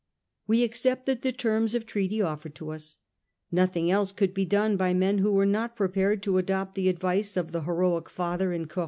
We accepted the terms of treaty offered to us. Nothing else could be done by men who were not prepared to adopt the advice of the heroic father in 1841.